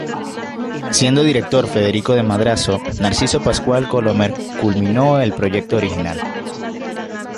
Siendo director Federico de Madrazo, Narciso Pascual Colomer culminó el proyecto original.